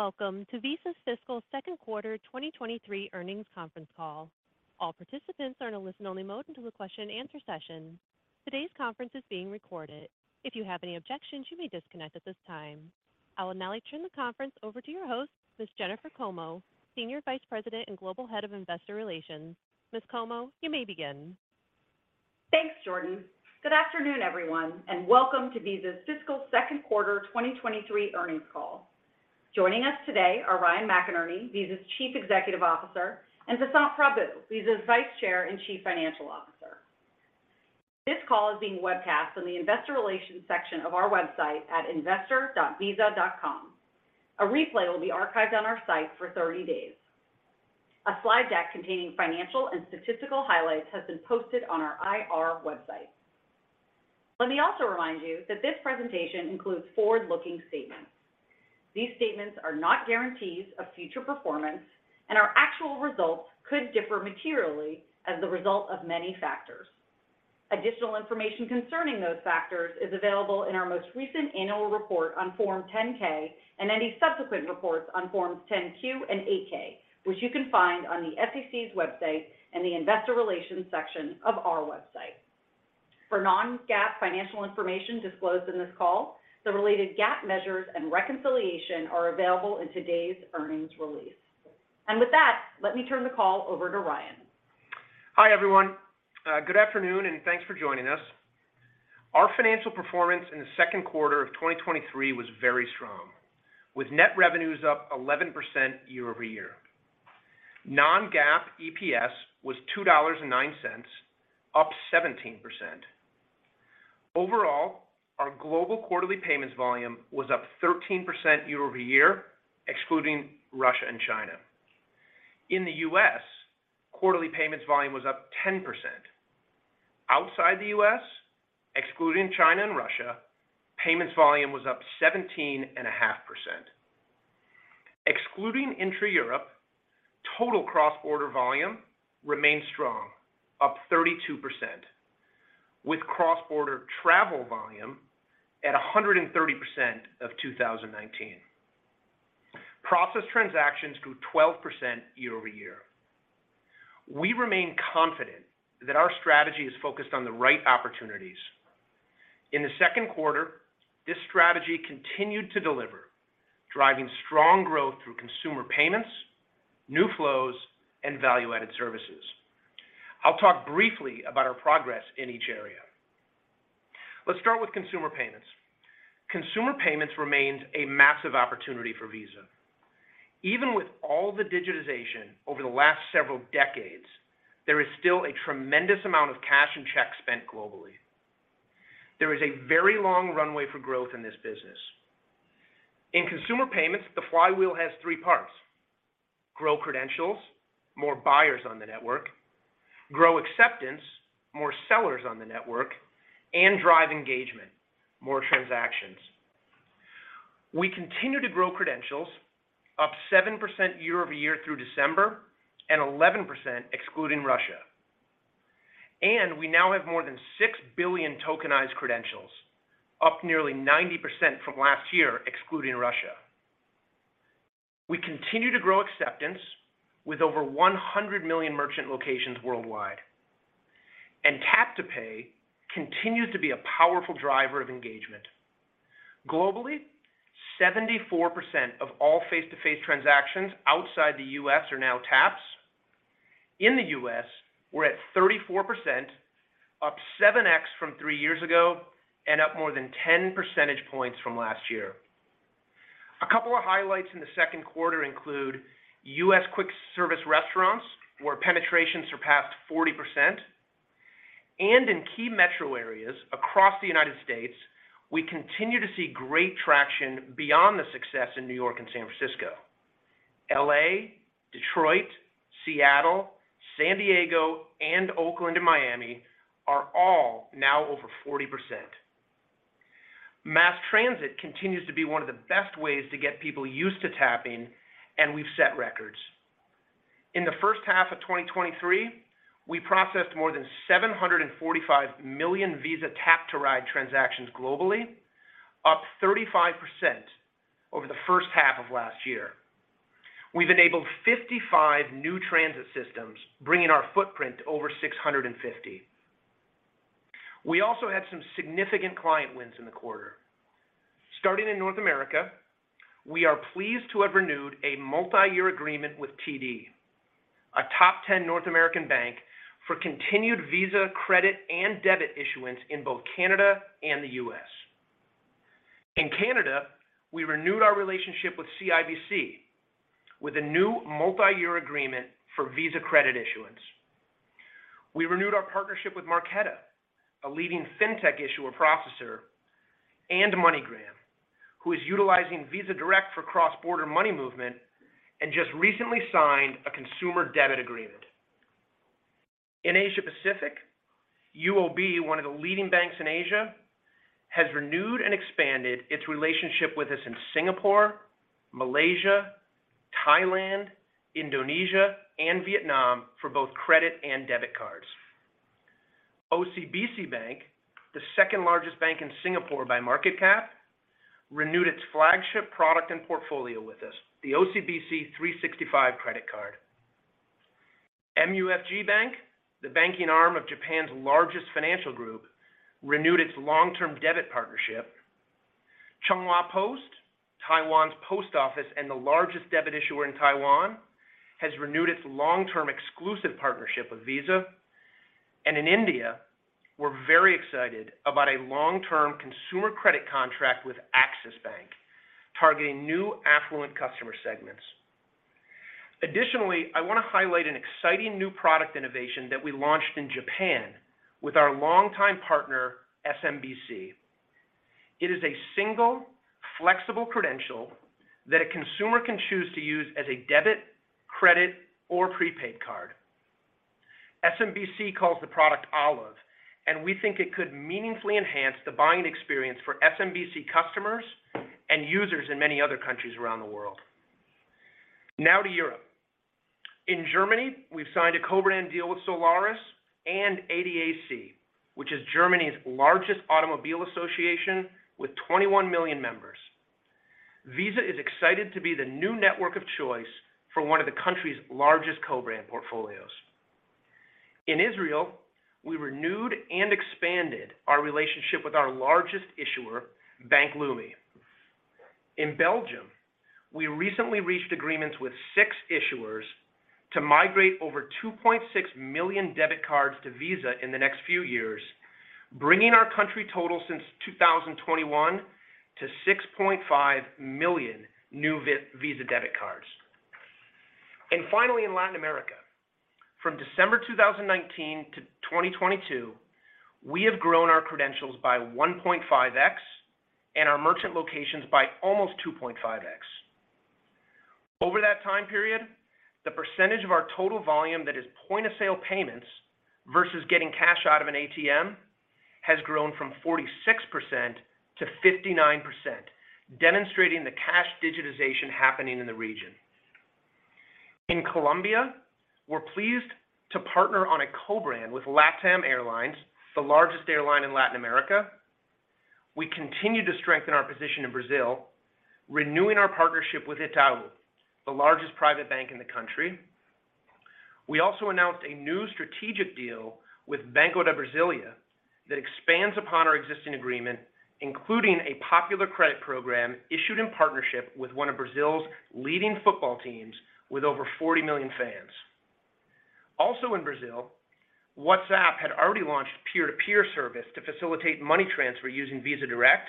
Welcome to Visa's fiscal second quarter 2023 earnings conference call. All participants are in a listen-only mode until the question-and-answer session. Today's conference is being recorded. If you have any objections, you may disconnect at this time. I will now turn the conference over to your host, Ms. Jennifer Como, Senior Vice President and Global Head of Investor Relations. Ms. Como, you may begin. Thanks, Jordan. Good afternoon, everyone, welcome to Visa's fiscal second quarter 2023 earnings call. Joining us today are Ryan McInerney, Visa's Chief Executive Officer, and Vasant Prabhu, Visa's Vice Chair and Chief Financial Officer. This call is being webcast on the investor relations section of our website at investor.visa.com. A replay will be archived on our site for 30 days. A slide deck containing financial and statistical highlights has been posted on our IR website. Let me also remind you that this presentation includes forward-looking statements. These statements are not guarantees of future performance, and our actual results could differ materially as the result of many factors. Additional information concerning those factors is available in our most recent annual report on Form 10-K and any subsequent reports on Forms 10-Q and 8-K, which you can find on the SEC's website in the Investor Relations section of our website. For non-GAAP financial information disclosed in this call, the related GAAP measures and reconciliation are available in today's earnings release. With that, let me turn the call over to Ryan. Hi, everyone. Good afternoon, and thanks for joining us. Our financial performance in the second quarter of 2023 was very strong, with net revenues up 11% year-over-year. Non-GAAP EPS was $2.09, up 17%. Overall, our global quarterly payments volume was up 13% year-over-year, excluding Russia and China. In the U.S., quarterly payments volume was up 10%. Outside the U.S., excluding China and Russia, payments volume was up 17.5%. Excluding intra-Europe, total cross-border volume remained strong, up 32%, with cross-border travel volume at 130% of 2019. Processed transactions grew 12% year-over-year. We remain confident that our strategy is focused on the right opportunities. In the second quarter, this strategy continued to deliver, driving strong growth through consumer payments, new flows, and value-added services. I'll talk briefly about our progress in each area. Let's start with consumer payments. Consumer payments remains a massive opportunity for Visa. Even with all the digitization over the last several decades, there is still a tremendous amount of cash and checks spent globally. There is a very long runway for growth in this business. In consumer payments, the flywheel has three parts: grow credentials, more buyers on the network; grow acceptance, more sellers on the network; and drive engagement, more transactions. We continue to grow credentials, up 7% year-over-year through December and 11% excluding Russia. We now have more than 6 billion tokenized credentials, up nearly 90% from last year, excluding Russia. We continue to grow acceptance with over 100 million merchant locations worldwide. Tap to Pay continues to be a powerful driver of engagement. Globally, 74% of all face-to-face transactions outside the U.S. are now taps. In the U.S., we're at 34%, up 7x from three years ago and up more than 10 percentage points from last year. A couple of highlights in the second quarter include U.S. quick service restaurants, where penetration surpassed 40%. In key metro areas across the United States, we continue to see great traction beyond the success in New York and San Francisco. L.A., Detroit, Seattle, San Diego, Oakland and Miami are all now over 40%. Mass transit continues to be one of the best ways to get people used to tapping, and we've set records. In the first half of 2023, we processed more than 745 million Visa tap-to-ride transactions globally, up 35% over the first half of last year. We've enabled 55 new transit systems, bringing our footprint to over 650. We also had some significant client wins in the quarter. Starting in North America, we are pleased to have renewed a multi-year agreement with TD, a top 10 North American bank, for continued Visa credit and debit issuance in both Canada and the U.S.. In Canada, we renewed our relationship with CIBC with a new multi-year agreement for Visa credit issuance. We renewed our partnership with Marqeta, a leading fintech issuer-processor, and MoneyGram, who is utilizing Visa Direct for cross-border money movement and just recently signed a consumer debit agreement. In Asia Pacific, UOB, one of the leading banks in Asia, has renewed and expanded its relationship with us in Singapore, Malaysia, Thailand, Indonesia, and Vietnam for both credit and debit cards. OCBC Bank, the second-largest bank in Singapore by market cap, renewed its flagship product and portfolio with us, the OCBC 365 Credit Card. MUFG Bank, the banking arm of Japan's largest financial group, renewed its long-term debit partnership. Chunghwa Post, Taiwan's post office and the largest debit issuer in Taiwan, has renewed its long-term exclusive partnership with Visa. In India, we're very excited about a long-term consumer credit contract with Axis Bank, targeting new affluent customer segments. Additionally, I wanna highlight an exciting new product innovation that we launched in Japan with our longtime partner, SMBC. It is a single, flexible credential that a consumer can choose to use as a debit, credit, or prepaid card. SMBC calls the product Olive, and we think it could meaningfully enhance the buying experience for SMBC customers and users in many other countries around the world. Now to Europe. In Germany, we've signed a co-brand deal with Solaris and ADAC, which is Germany's largest automobile association with 21 million members. Visa is excited to be the new network of choice for one of the country's largest co-brand portfolios. In Israel, we renewed and expanded our relationship with our largest issuer, Bank Leumi. In Belgium, we recently reached agreements with six issuers to migrate over 2.6 million debit cards to Visa in the next few years, bringing our country total since 2021 to 6.5 million new Visa debit cards. Finally, in Latin America, from December 2019 to 2022, we have grown our credentials by 1.5x and our merchant locations by almost 2.5x. Over that time period, the percentage of our total volume that is point-of-sale payments versus getting cash out of an ATM has grown from 46% to 59%, demonstrating the cash digitization happening in the region. In Colombia, we're pleased to partner on a co-brand with LATAM Airlines, the largest airline in Latin America. We continue to strengthen our position in Brazil, renewing our partnership with Itaú, the largest private bank in the country. We also announced a new strategic deal with Banco da Brasília that expands upon our existing agreement, including a popular credit program issued in partnership with one of Brazil's leading football teams with over 40 million fans. In Brazil, WhatsApp had already launched peer-to-peer service to facilitate money transfer using Visa Direct,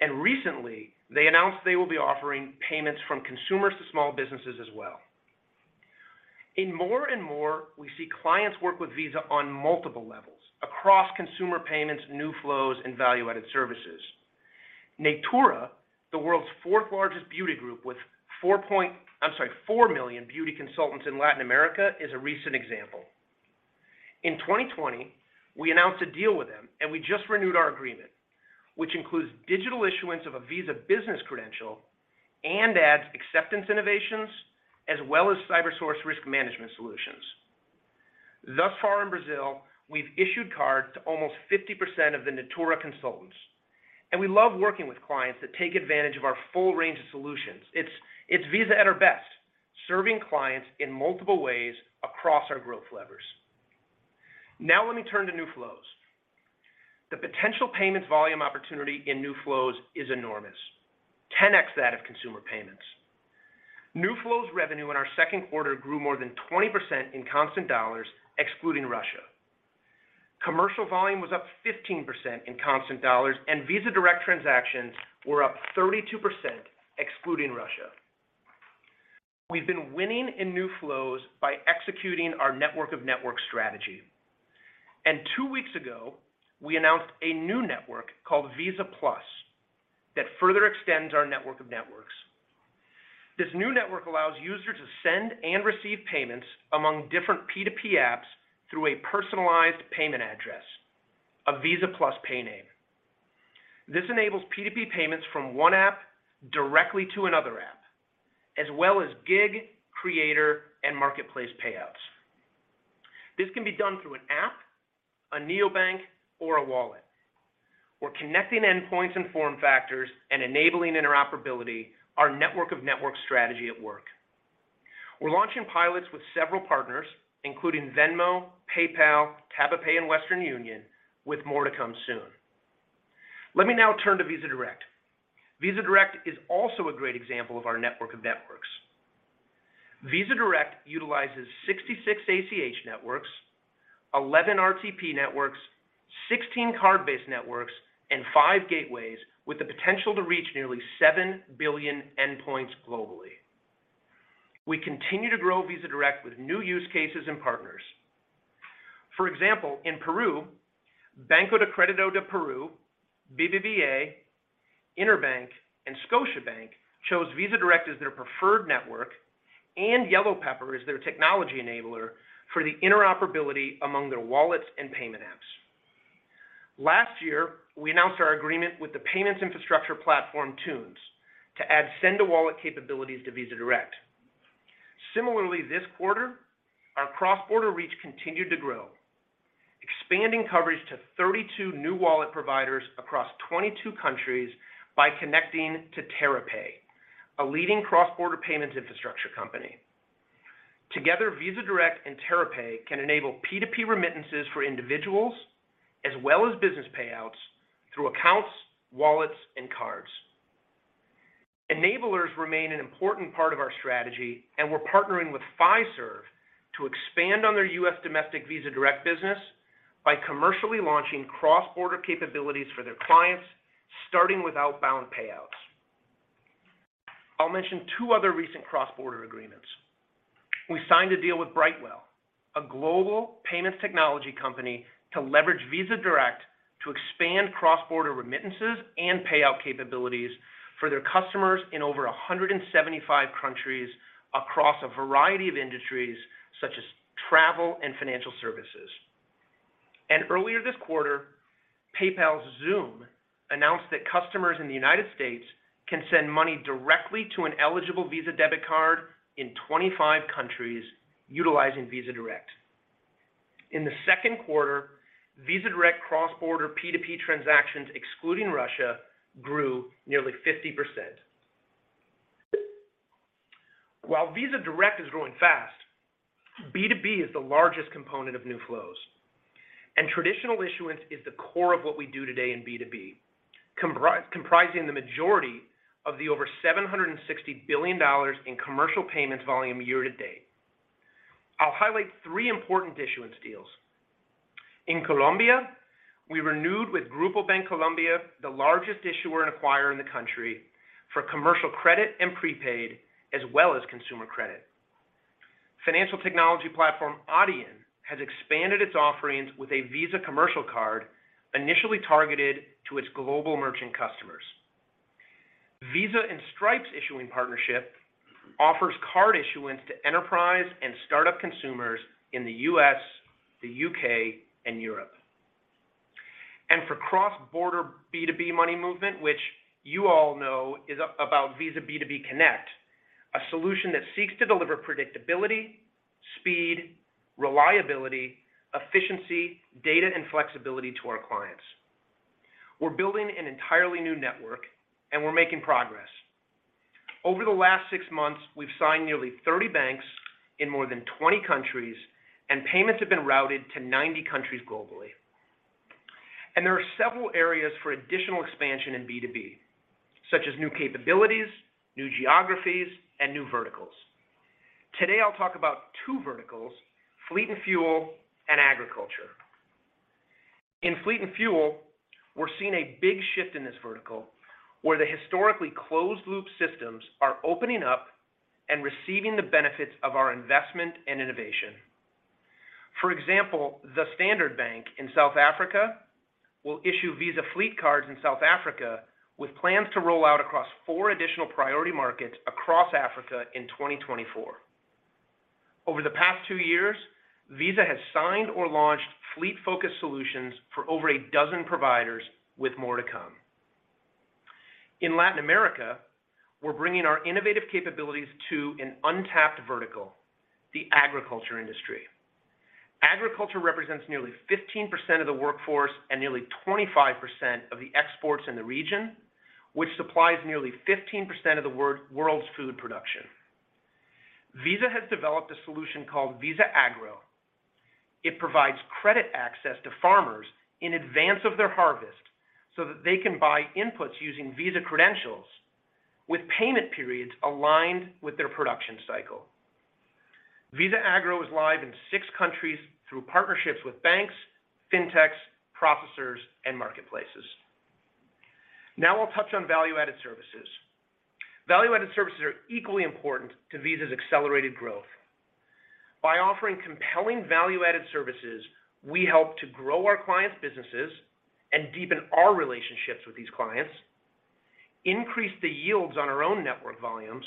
and recently, they announced they will be offering payments from consumers to small businesses as well. More and more, we see clients work with Visa on multiple levels across consumer payments, new flows, and value-added services. Natura, the world's fourth-largest beauty group with 4 million beauty consultants in Latin America, is a recent example. In 2020, we announced a deal with them, and we just renewed our agreement, which includes digital issuance of a Visa business credential and adds acceptance innovations as well as CyberSource risk management solutions. Thus far in Brazil, we've issued cards to almost 50% of the Natura consultants, and we love working with clients that take advantage of our full range of solutions. It's Visa at our best, serving clients in multiple ways across our growth levers. Let me turn to new flows. The potential payments volume opportunity in new flows is enormous, 10x that of consumer payments. New flows revenue in our second quarter grew more than 20% in constant dollars, excluding Russia. Commercial volume was up 15% in constant dollars, and Visa Direct transactions were up 32%, excluding Russia. We've been winning in new flows by executing our network of network strategy. Two weeks ago, we announced a new network called Visa+ that further extends our network of networks. This new network allows users to send and receive payments among different P2P apps through a personalized payment address, a Visa+ payname. This enables P2P payments from one app directly to another app, as well as gig, creator, and marketplace payouts. This can be done through an app, a neobank, or a wallet. We're connecting endpoints and form factors and enabling interoperability, our network of network strategy at work. We're launching pilots with several partners, including Venmo, PayPal, TabaPay, and Western Union, with more to come soon. Let me now turn to Visa Direct. Visa Direct is also a great example of our network of networks. Visa Direct utilizes 66 ACH networks, 11 RTP networks, 16 card-based networks, and five gateways with the potential to reach nearly 7 billion endpoints globally. We continue to grow Visa Direct with new use cases and partners. For example, in Peru, Banco de Crédito del Perú, BBVA, Interbank, and Scotiabank chose Visa Direct as their preferred network and YellowPepper as their technology enabler for the interoperability among their wallets and payment apps. Last year, we announced our agreement with the payments infrastructure platform Thunes to add send to wallet capabilities to Visa Direct. Similarly, this quarter, our cross-border reach continued to grow, expanding coverage to 32 new wallet providers across 22 countries by connecting to TerraPay, a leading cross-border payments infrastructure company. Together, Visa Direct and TerraPay can enable P2P remittances for individuals as well as business payouts through accounts, wallets, and cards. Enablers remain an important part of our strategy, and we're partnering with Fiserv to expand on their U.S. domestic Visa Direct business by commercially launching cross-border capabilities for their clients, starting with outbound payouts. I'll mention two other recent cross-border agreements. We signed a deal with Brightwell, a global payments technology company, to leverage Visa Direct to expand cross-border remittances and payout capabilities for their customers in over 175 countries across a variety of industries such as travel and financial services. Earlier this quarter, PayPal's Xoom announced that customers in the United States can send money directly to an eligible Visa debit card in 25 countries utilizing Visa Direct. In the second quarter, Visa Direct cross-border P2P transactions, excluding Russia, grew nearly 50%. While Visa Direct is growing fast, B2B is the largest component of new flows, and traditional issuance is the core of what we do today in B2B, comprising the majority of the over $760 billion in commercial payments volume year to date. I'll highlight three important issuance deals. In Colombia, we renewed with Grupo Bancolombia, the largest issuer and acquirer in the country, for commercial credit and prepaid, as well as consumer credit. Financial technology platform Adyen has expanded its offerings with a Visa commercial card initially targeted to its global merchant customers. Visa and Stripe's issuing partnership offers card issuance to enterprise and startup consumers in the U.S., the U.K., and Europe. For cross-border B2B money movement, which you all know is about Visa B2B Connect, a solution that seeks to deliver predictability, speed, reliability, efficiency, data, and flexibility to our clients. We're building an entirely new network, and we're making progress. Over the last six months, we've signed nearly 30 banks in more than 20 countries, and payments have been routed to 90 countries globally. There are several areas for additional expansion in B2B, such as new capabilities, new geographies, and new verticals. Today, I'll talk about two verticals, fleet and fuel and agriculture. In fleet and fuel, we're seeing a big shift in this vertical, where the historically closed-loop systems are opening up and receiving the benefits of our investment and innovation. For example, the Standard Bank in South Africa will issue Visa fleet cards in South Africa with plans to roll out across four additional priority markets across Africa in 2024. Over the past two years, Visa has signed or launched fleet-focused solutions for over a dozen providers with more to come. In Latin America, we're bringing our innovative capabilities to an untapped vertical, the agriculture industry. Agriculture represents nearly 15% of the workforce and nearly 25% of the exports in the region, which supplies nearly 15% of the world's food production. Visa has developed a solution called Visa Agro. It provides credit access to farmers in advance of their harvest so that they can buy inputs using Visa credentials with payment periods aligned with their production cycle. Visa Agro is live in six countries through partnerships with banks, fintechs, processors, and marketplaces. We'll touch on value-added services. Value-added services are equally important to Visa's accelerated growth. By offering compelling value-added services, we help to grow our clients' businesses and deepen our relationships with these clients, increase the yields on our own network volumes,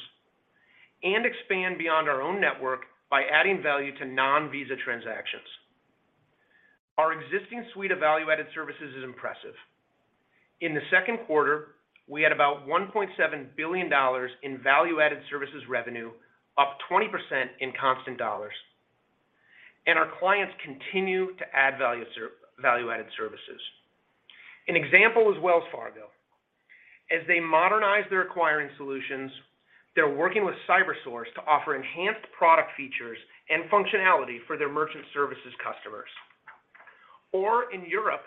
and expand beyond our own network by adding value to non-Visa transactions. Our existing suite of value-added services is impressive. In the second quarter, we had about $1.7 billion in value-added services revenue, up 20% in constant dollars. Our clients continue to add value-added services. An example is Wells Fargo. As they modernize their acquiring solutions, they're working with CyberSource to offer enhanced product features and functionality for their merchant services customers. In Europe,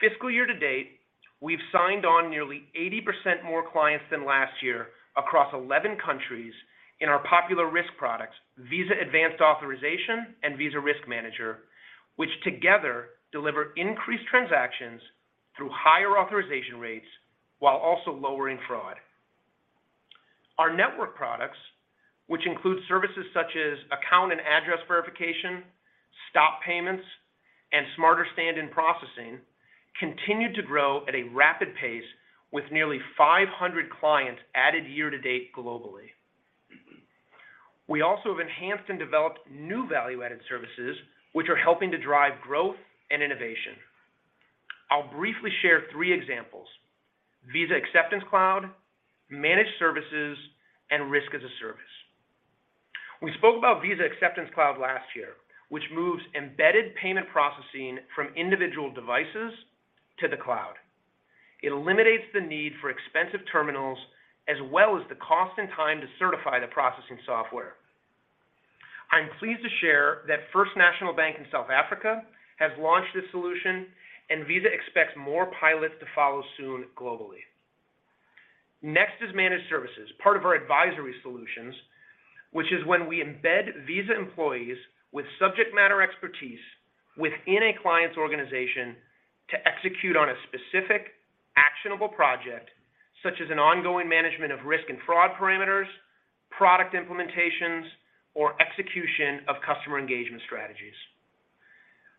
fiscal year to date, we've signed on nearly 80% more clients than last year across 11 countries in our popular risk products, Visa Advanced Authorization and Visa Risk Manager, which together deliver increased transactions through higher authorization rates while also lowering fraud. Our network products, which include services such as account and address verification, stop payments, and smarter stand-in processing, continued to grow at a rapid pace with nearly 500 clients added year to date globally. We also have enhanced and developed new value-added services, which are helping to drive growth and innovation. I'll briefly share three examples. Visa Acceptance Cloud, Managed Services, and Risk as a Service. We spoke about Visa Acceptance Cloud last year, which moves embedded payment processing from individual devices to the cloud. It eliminates the need for expensive terminals, as well as the cost and time to certify the processing software. I'm pleased to share that First National Bank in South Africa has launched this solution, and Visa expects more pilots to follow soon globally. Next is Managed Services, part of our advisory solutions, which is when we embed Visa employees with subject matter expertise within a client's organization to execute on a specific actionable project, such as an ongoing management of risk and fraud parameters, product implementations, or execution of customer engagement strategies.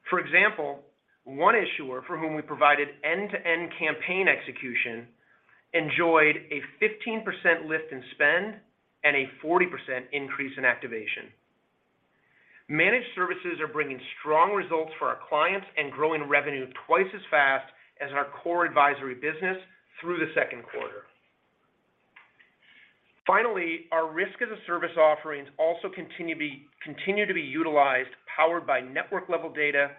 For example, one issuer for whom we provided end-to-end campaign execution enjoyed a 15% lift in spend and a 40% increase in activation. Managed services are bringing strong results for our clients and growing revenue twice as fast as our core advisory business through the second quarter. Finally, our Risk as a Service offerings also continue to be utilized, powered by network-level data,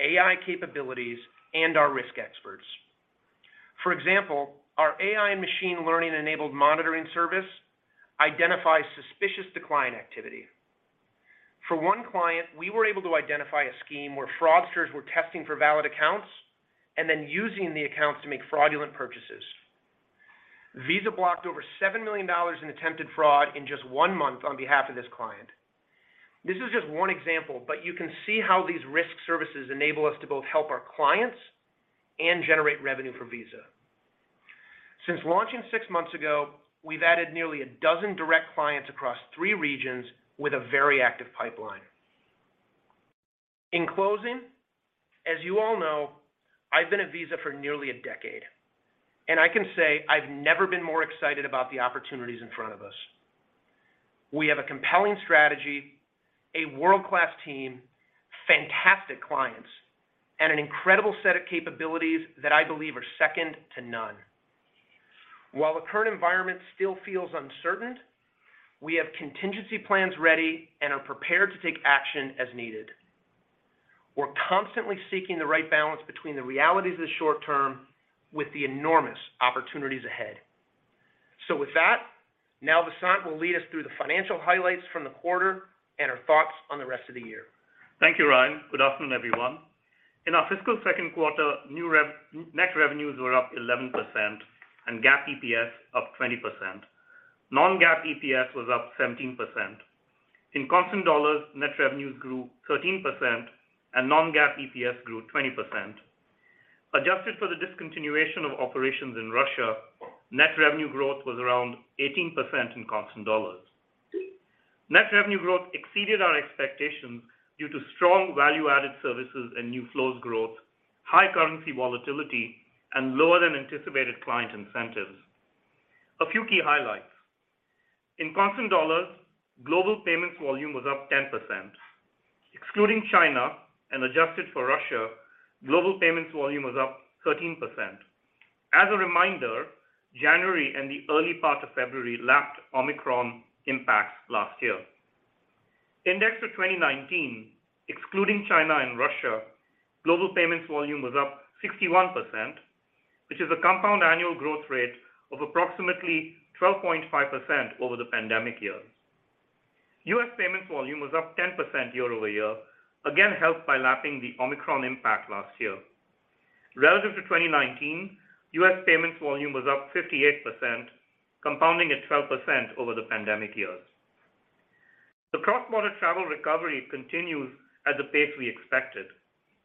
AI capabilities, and our risk experts. For example, our AI and machine learning-enabled monitoring service identifies suspicious decline activity. For one client, we were able to identify a scheme where fraudsters were testing for valid accounts and then using the accounts to make fraudulent purchases. Visa blocked over $7 million in attempted fraud in just one month on behalf of this client. This is just one example, but you can see how these risk services enable us to both help our clients and generate revenue for Visa. Since launching six months ago, we've added nearly a dozen direct clients across three regions with a very active pipeline. In closing, as you all know, I've been at Visa for nearly a decade, and I can say I've never been more excited about the opportunities in front of us. We have a compelling strategy, a world-class team, fantastic clients, and an incredible set of capabilities that I believe are second to none. While the current environment still feels uncertain, we have contingency plans ready and are prepared to take action as needed. We're constantly seeking the right balance between the realities of the short term with the enormous opportunities ahead. With that, now Vasant will lead us through the financial highlights from the quarter and our thoughts on the rest of the year. Thank you, Ryan. Good afternoon, everyone. In our fiscal second quarter, net revenues were up 11% and GAAP EPS up 20%. Non-GAAP EPS was up 17%. In constant dollars, net revenues grew 13% and non-GAAP EPS grew 20%. Adjusted for the discontinuation of operations in Russia, net revenue growth was around 18% in constant dollars. Net revenue growth exceeded our expectations due to strong value-added services and new flows growth, high currency volatility, and lower than anticipated client incentives. A few key highlights. In constant dollars, global payments volume was up 10%. Excluding China and adjusted for Russia, global payments volume was up 13%. As a reminder, January and the early part of February lapped Omicron impacts last year. Indexed to 2019, excluding China and Russia, global payments volume was up 61%, which is a compound annual growth rate of approximately 12.5% over the pandemic years. U.S. payments volume was up 10% year-over-year, again, helped by lapping the Omicron impact last year. Relative to 2019, U.S. payments volume was up 58%, compounding at 12% over the pandemic years. The cross-border travel recovery continues at the pace we expected,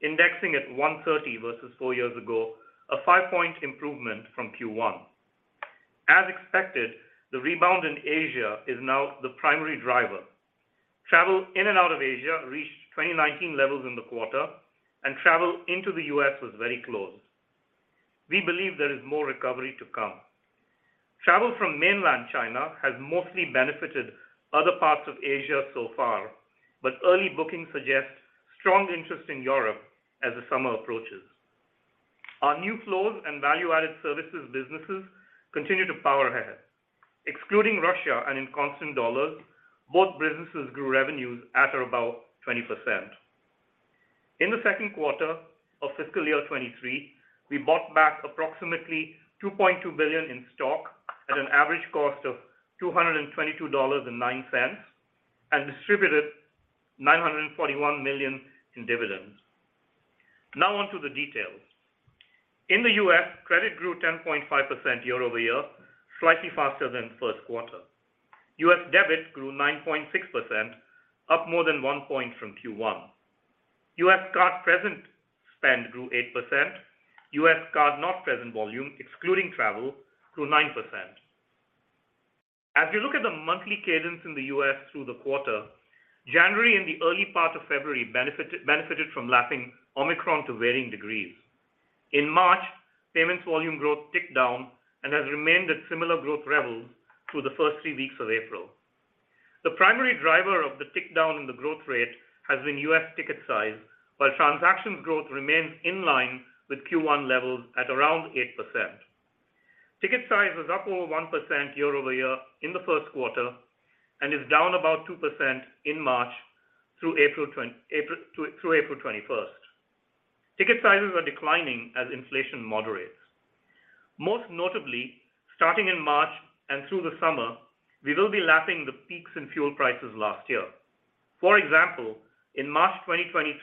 indexing at 130 versus four years ago, a five-point improvement from Q1. As expected, the rebound in Asia is now the primary driver. Travel in and out of Asia reached 2019 levels in the quarter, and travel into the U.S. was very close. We believe there is more recovery to come. Travel from mainland China has mostly benefited other parts of Asia so far, but early bookings suggest strong interest in Europe as the summer approaches. Our new flows and value-added services businesses continue to power ahead. Excluding Russia and in constant dollars, both businesses grew revenues at or about 20%. In the second quarter of fiscal year 2023, we bought back approximately $2.2 billion in stock at an average cost of $222.09 and distributed $941 million in dividends. On to the details. In the U.S., credit grew 10.5% year-over-year, slightly faster than first quarter. U.S. debit grew 9.6%, up more than 1 point from Q1. U.S. card present spend grew 8%. U.S. card not present volume, excluding travel, grew 9%. As you look at the monthly cadence in the U.S. through the quarter. January and the early part of February benefited from lapping Omicron to varying degrees. In March, payments volume growth ticked down and has remained at similar growth levels through the first three weeks of April. The primary driver of the tick down in the growth rate has been U.S. ticket size, while transactions growth remains in line with Q1 levels at around 8%. Ticket size was up over 1% year-over-year in the first quarter and is down about 2% in March through April 21st. Ticket sizes are declining as inflation moderates. Most notably, starting in March and through the summer, we will be lapping the peaks in fuel prices last year. For example, in March 2023,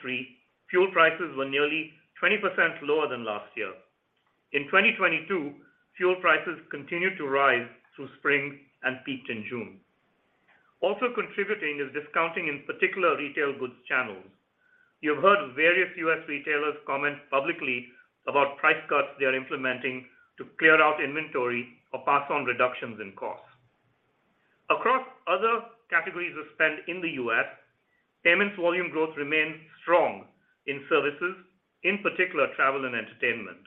fuel prices were nearly 20% lower than last year. In 2022, fuel prices continued to rise through spring and peaked in June. Contributing is discounting, in particular retail goods channels. You have heard various U.S. retailers comment publicly about price cuts they are implementing to clear out inventory or pass on reductions in costs. Across other categories of spend in the U.S., payments volume growth remains strong in services, in particular, travel and entertainment.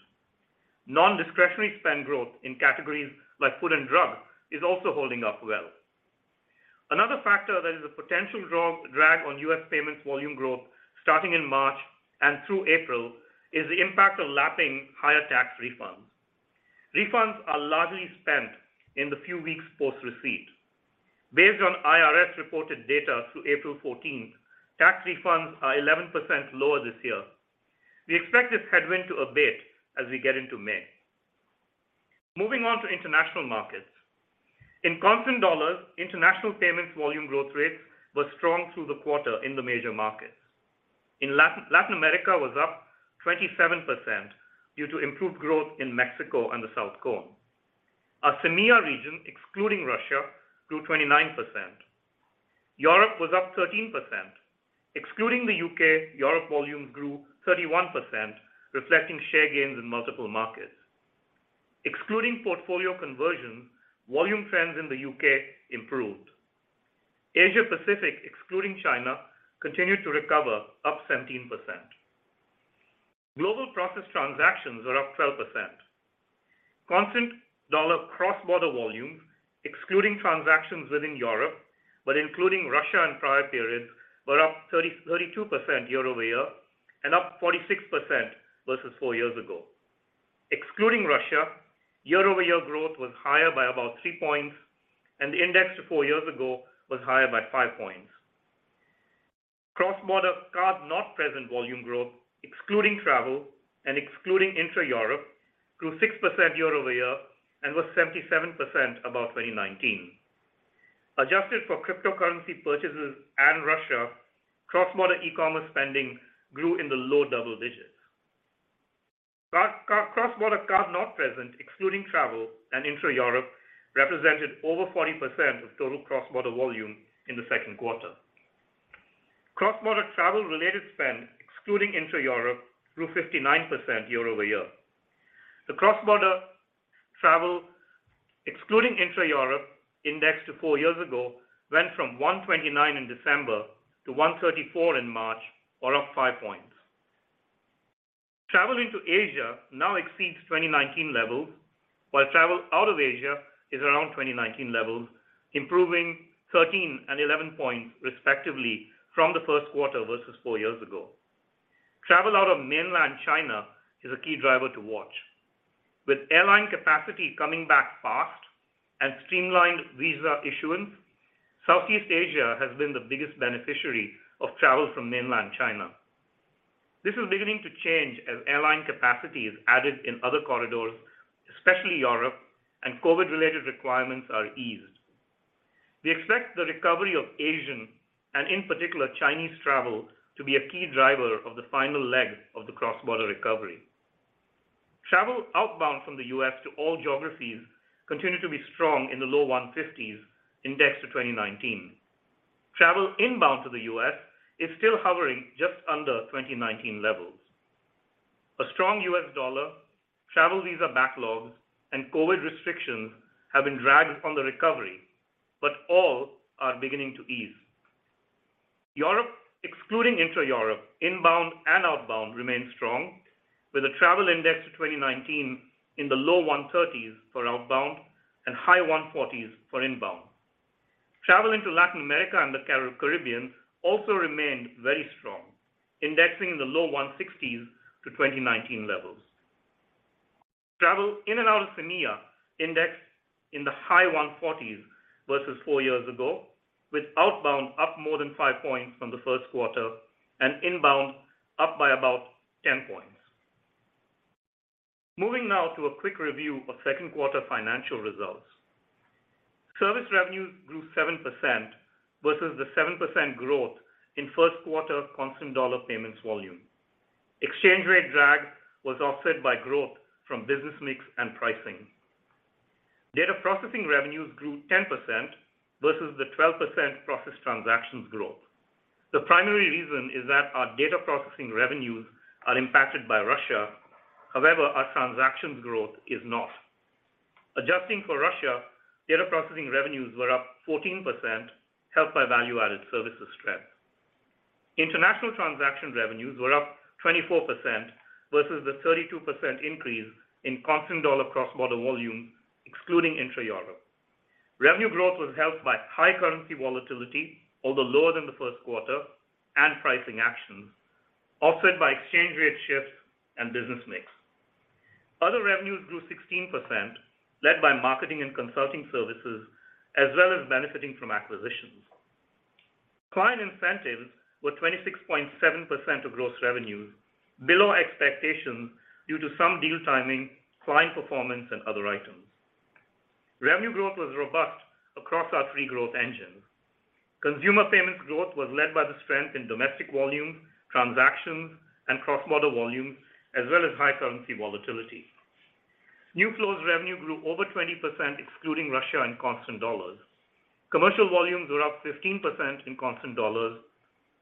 Non-discretionary spend growth in categories like food and drug is also holding up well. Another factor that is a potential drag on U.S. payments volume growth starting in March and through April, is the impact of lapping higher tax refunds. Refunds are largely spent in the few weeks post-receipt. Based on IRS-reported data through April 14th, tax refunds are 11% lower this year. We expect this headwind to abate as we get into May. Moving on to international markets. In constant dollars, international payments volume growth rates were strong through the quarter in the major markets. Latin America was up 27% due to improved growth in Mexico and the Southern Cone. Our SEMEA region, excluding Russia, grew 29%. Europe was up 13%. Excluding the U.K., Europe volumes grew 31%, reflecting share gains in multiple markets. Excluding portfolio conversions, volume trends in the U.K. improved. Asia Pacific, excluding China, continued to recover, up 17%. Global process transactions are up 12%. Constant dollar cross-border volume, excluding transactions within Europe, but including Russia in prior periods, were up 32% year-over-year and up 46% versus four years ago. Excluding Russia, year-over-year growth was higher by about 3 points, and the index to four years ago was higher by 5 points. Cross-border card-not-present volume growth, excluding travel and excluding intra-Europe, grew 6% year-over-year and was 77% above 2019. Adjusted for cryptocurrency purchases and Russia, cross-border e-commerce spending grew in the low double digits. Cross-border card-not-present, excluding travel and intra-Europe, represented over 40% of total cross-border volume in the second quarter. Cross-border travel-related spend, excluding intra-Europe, grew 59% year-over-year. The cross-border travel, excluding intra-Europe index to four years ago, went from 129 in December to 134 in March, or up five points. Traveling to Asia now exceeds 2019 levels, while travel out of Asia is around 2019 levels, improving 13 and 11 points respectively from the first quarter versus four years ago. Travel out of mainland China is a key driver to watch. With airline capacity coming back fast and streamlined Visa issuance, Southeast Asia has been the biggest beneficiary of travel from mainland China. This is beginning to change as airline capacity is added in other corridors, especially Europe, and COVID-related requirements are eased. We expect the recovery of Asian, and in particular Chinese travel, to be a key driver of the final leg of the cross-border recovery. Travel outbound from the U.S. to all geographies continue to be strong in the low 150s, index to 2019. Travel inbound to the U.S. is still hovering just under 2019 levels. A strong U.S. dollar, travel Visa backlogs, and COVID restrictions have been drags on the recovery, but all are beginning to ease. Europe, excluding intra-Europe, inbound and outbound remain strong, with a travel index to 2019 in the low 130s for outbound and high 140s for inbound. Travel into Latin America and the Caribbean also remained very strong, indexing in the low 160s to 2019 levels. Travel in and out of SEMEA indexed in the high 140s versus four years ago, with outbound up more than 5 points from the first quarter and inbound up by about 10 points. Moving now to a quick review of second quarter financial results. Service revenues grew 7% versus the 7% growth in first quarter constant dollar payments volume. Exchange rate drag was offset by growth from business mix and pricing. Data processing revenues grew 10% versus the 12% processed transactions growth. The primary reason is that our data processing revenues are impacted by Russia. However, our transactions growth is not. Adjusting for Russia, data processing revenues were up 14%, helped by value-added services strength. International transaction revenues were up 24% versus the 32% increase in constant dollar cross-border volume excluding intra-Europe. Revenue growth was helped by high currency volatility, although lower than the first quarter and pricing actions, offset by exchange rate shifts and business mix. Other revenues grew 16% led by marketing and consulting services, as well as benefiting from acquisitions. Client incentives were 26.7% of gross revenues, below expectations due to some deal timing, client performance and other items. Revenue growth was robust across our three growth engines. Consumer payments growth was led by the strength in domestic volume, transactions and cross-border volumes, as well as high currency volatility. New flows revenue grew over 20% excluding Russia and constant dollars. Commercial volumes were up 15% in constant dollars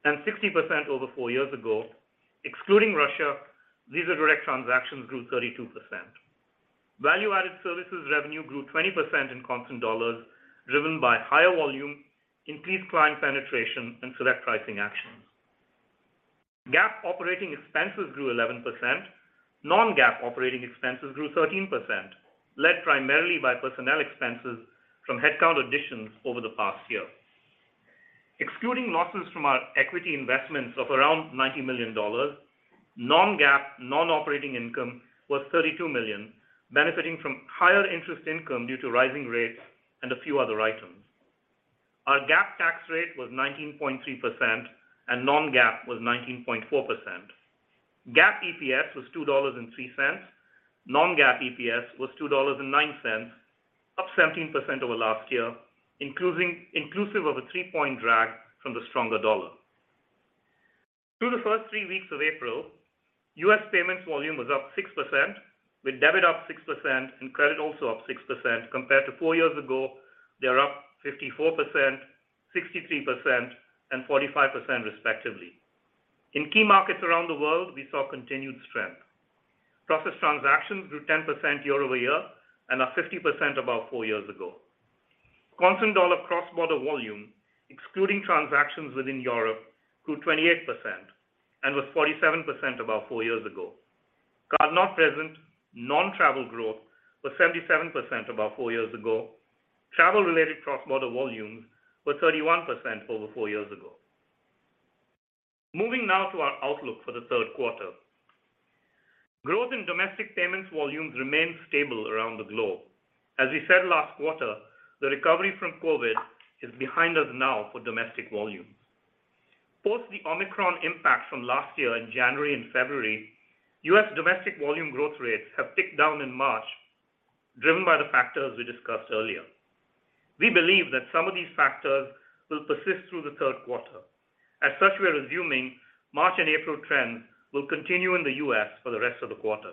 and 60% over four years ago. Excluding Russia, Visa Direct transactions grew 32%. Value-added services revenue grew 20% in constant dollars, driven by higher volume, increased client penetration and select pricing actions. GAAP operating expenses grew 11%. Non-GAAP operating expenses grew 13%, led primarily by personnel expenses from headcount additions over the past year. Excluding losses from our equity investments of around $90 million, non-GAAP non-operating income was $32 million, benefiting from higher interest income due to rising rates and a few other items. Our GAAP tax rate was 19.3% and non-GAAP was 19.4%. GAAP EPS was $2.03. Non-GAAP EPS was $2.09, up 17% over last year, inclusive of a three-point drag from the stronger dollar. Through the first three weeks of April, U.S. payments volume was up 6%, with debit up 6% and credit also up 6%. Compared to four years ago, they are up 54%, 63%, and 45% respectively. In key markets around the world, we saw continued strength. Processed transactions grew 10% year-over-year and are 50% above four years ago. Constant dollar cross-border volume, excluding transactions within Europe, grew 28% and was 47% above four years ago. Card-not-present, non-travel growth was 77% above four years ago. Travel-related cross-border volumes were 31% over four years ago. Moving now to our outlook for the third quarter. Growth in domestic payments volumes remains stable around the globe. As we said last quarter, the recovery from COVID is behind us now for domestic volumes. Post the Omicron impact from last year in January and February, U.S. domestic volume growth rates have ticked down in March, driven by the factors we discussed earlier. We believe that some of these factors will persist through the third quarter. As such, we are assuming March and April trends will continue in the U.S. for the rest of the quarter.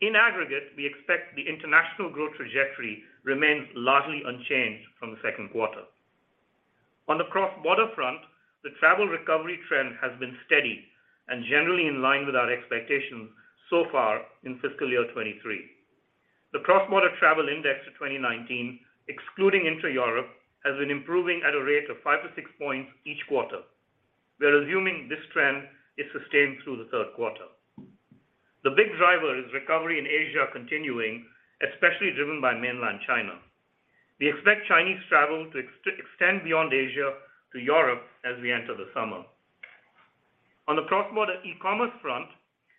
In aggregate, we expect the international growth trajectory remains largely unchanged from the second quarter. On the cross-border front, the travel recovery trend has been steady and generally in line with our expectations so far in fiscal year 2023. The cross-border travel index to 2019, excluding intra-Europe, has been improving at a rate of 5-6 points each quarter. We are assuming this trend is sustained through the third quarter. The big driver is recovery in Asia continuing, especially driven by mainland China. We expect Chinese travel to extend beyond Asia to Europe as we enter the summer. On the cross-border e-commerce front,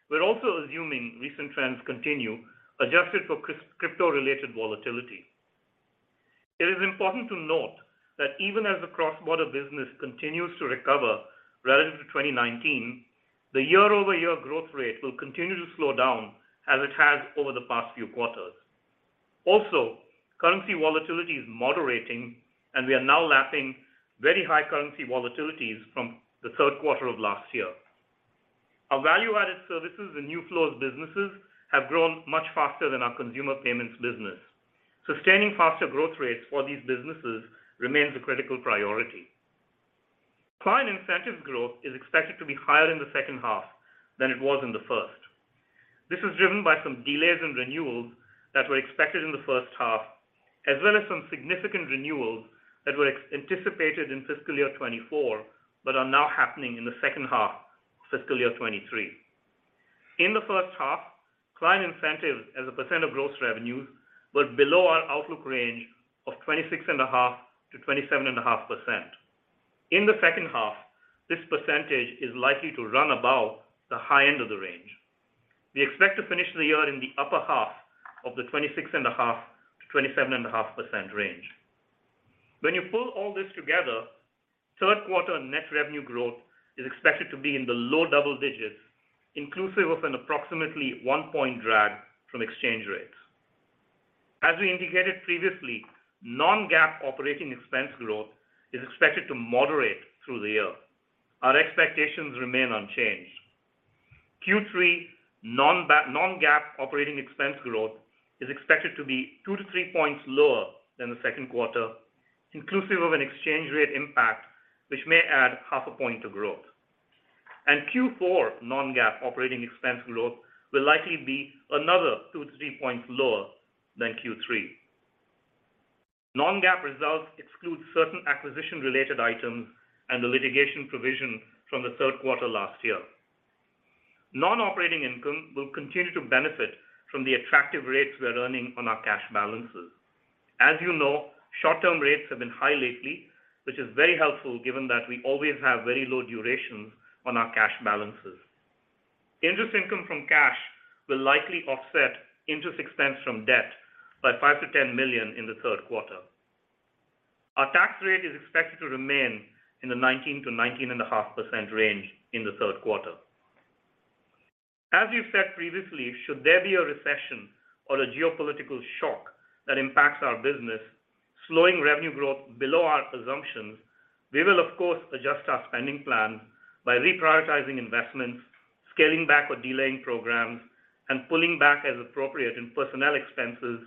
we're also assuming recent trends continue, adjusted for crypto-related volatility. It is important to note that even as the cross-border business continues to recover relative to 2019, the year-over-year growth rate will continue to slow down as it has over the past few quarters. Also, currency volatility is moderating and we are now lapping very high currency volatilities from the third quarter of last year. Our value-added services and new flows businesses have grown much faster than our consumer payments business. Sustaining faster growth rates for these businesses remains a critical priority. Client incentives growth is expected to be higher in the second half than it was in the first. This is driven by some delays in renewals that were expected in the first half, as well as some significant renewals that were ex-anticipated in fiscal year 2024, but are now happening in the second half, fiscal year 2023. In the first half, client incentives as a percent of gross revenues were below our outlook range of 26.5%-27.5%. In the second half, this percentage is likely to run above the high end of the range. We expect to finish the year in the upper half of the 26.5%-27.5% range. When you pull all this together, third quarter net revenue growth is expected to be in the low double digits, inclusive of an approximately 1 point drag from exchange rates. As we indicated previously, non-GAAP operating expense growth is expected to moderate through the year. Our expectations remain unchanged. Q3 non-GAAP operating expense growth is expected to be 2 to 3 points lower than the second quarter, inclusive of an exchange rate impact which may add half a point to growth. Q4 non-GAAP operating expense growth will likely be another 2 to 3 points lower than Q3. Non-GAAP results exclude certain acquisition-related items and the litigation provision from the third quarter last year. Non-operating income will continue to benefit from the attractive rates we are earning on our cash balances. As you know, short-term rates have been high lately, which is very helpful given that we always have very low durations on our cash balances. Interest income from cash will likely offset interest expense from debt by $5 million-$10 million in the third quarter. Our tax rate is expected to remain in the 19%-19.5% range in the third quarter. As we've said previously, should there be a recession or a geopolitical shock that impacts our business, slowing revenue growth below our assumptions, we will of course adjust our spending plan by reprioritizing investments, scaling back or delaying programs, and pulling back as appropriate in personnel expenses,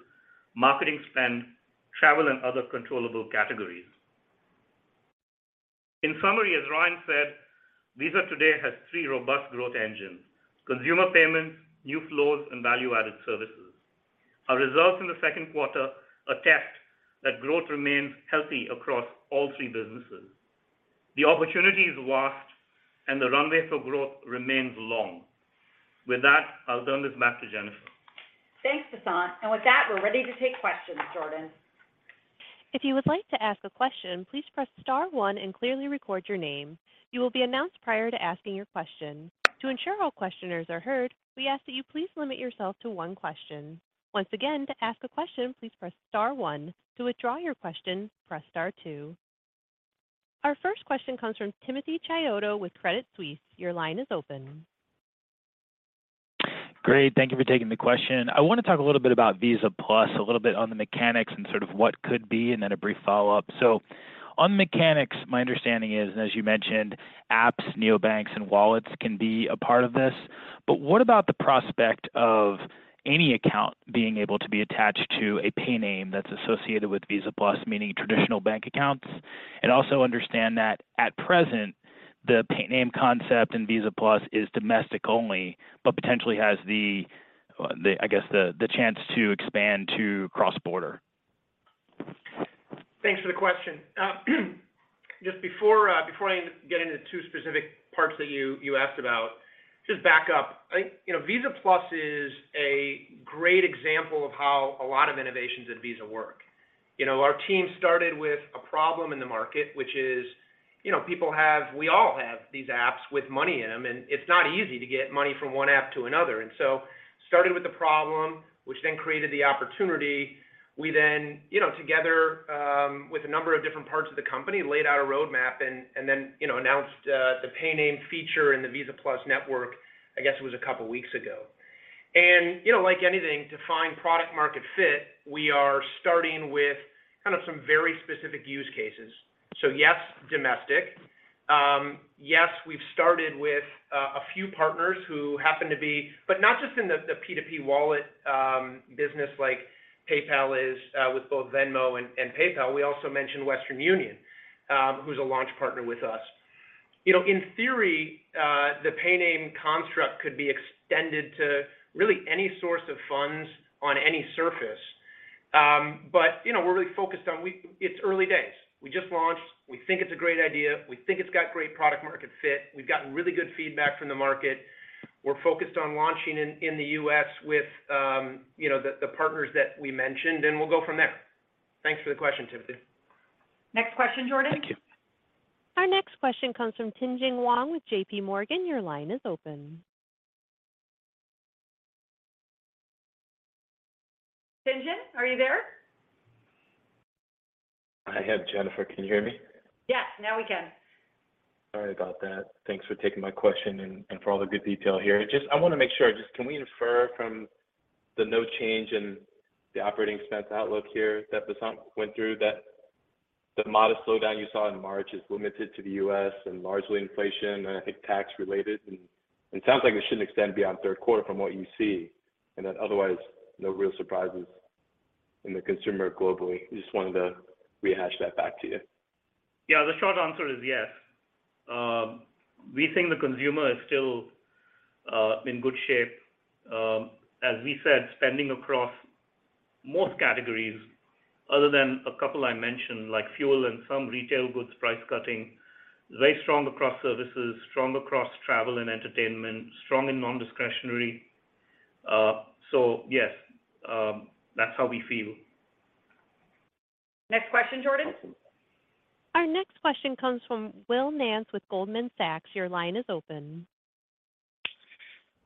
marketing spend, travel, and other controllable categories. In summary, as Ryan said, Visa today has three robust growth engines: consumer payments, new flows, and value-added services. Our results in the second quarter attest that growth remains healthy across all three businesses. The opportunity is vast, and the runway for growth remains long. With that, I'll turn this back to Jennifer. Thanks, Vasant. With that, we're ready to take questions, Jordan. If you would like to ask a question, please press star one and clearly record your name. You will be announced prior to asking your question. To ensure all questioners are heard, we ask that you please limit yourself to one question. Once again, to ask a question, please press star one. To withdraw your question, press star two. Our first question comes from Timothy Chiodo with Credit Suisse. Your line is open. Great. Thank you for taking the question. I wanna talk a little bit about Visa+, a little bit on the mechanics and sort of what could be. A brief follow-up. On the mechanics, my understanding is, as you mentioned, apps, neobanks, and wallets can be a part of this. What about the prospect of any account being able to be attached to a payname that's associated with Visa+, meaning traditional bank accounts? Also understand that at present, the payname concept in Visa+ is domestic only, but potentially has the, I guess, the chance to expand to cross-border. Thanks for the question. Just before I get into two specific parts that you asked about, just back up. I think, you know, Visa+ is a great example of how a lot of innovations at Visa work. You know, our team started with a problem in the market, which is, you know, we all have these apps with money in them, and it's not easy to get money from one app to another. Started with the problem, which then created the opportunity. We then, you know, together, with a number of different parts of the company, laid out a roadmap and, then, you know, announced the payname feature in the Visa+ network, I guess it was a couple weeks ago. You know, like anything to find product market fit, we are starting with kind of some very specific use cases. Yes, domestic. Yes, we've started with a few partners who happen to be, but not just in the P2P wallet business like PayPal is with both Venmo and PayPal. We also mentioned Western Union, who's a launch partner with us. You know, in theory, the payname construct could be extended to really any source of funds on any surface. You know, we're really focused on It's early days. We just launched. We think it's a great idea. We think it's got great product market fit. We've gotten really good feedback from the market. We're focused on launching in the U.S. with, you know, the partners that we mentioned, we'll go from there. Thanks for the question, Timothy. Thank you. Next question, Jordan. Our next question comes from Tien-Tsin Huang with JPMorgan. Your line is open. Tien-Tsin, are you there? I am, Jennifer. Can you hear me? Yes, now we can. Sorry about that. Thanks for taking my question and for all the good detail here. I want to make sure, can we infer from the no change in the operating expense outlook here that Vasant went through, that the modest slowdown you saw in March is limited to the U.S. and largely inflation, and I think tax-related? It sounds like it should not extend beyond third quarter from what you see, and that otherwise, no real surprises in the consumer globally. Wanted to rehash that back to you. Yeah. The short answer is yes. We think the consumer is still in good shape. As we said, spending across most categories other than a couple I mentioned, like fuel and some retail goods price cutting, very strong across services, strong across travel and entertainment, strong in non-discretionary. Yes, that's how we feel. Next question, Jordan. Our next question comes from Will Nance with Goldman Sachs. Your line is open.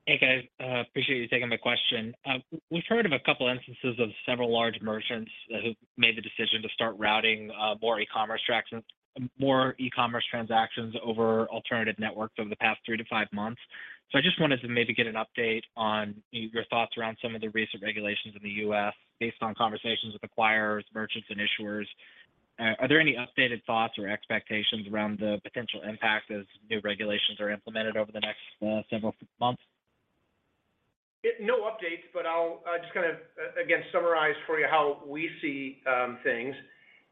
Hey, guys. appreciate you taking my question. We've heard of a couple instances of several large merchants that have made the decision to start routing more e-commerce transactions over alternative networks over the past three to five months. I just wanted to maybe get an update on your thoughts around some of the recent regulations in the U.S. based on conversations with acquirers, merchants, and issuers. Are there any updated thoughts or expectations around the potential impact as new regulations are implemented over the next several months? No updates, but I'll just kind of again summarize for you how we see things.